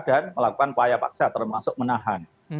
dan melakukan paya paksa termasuk menahan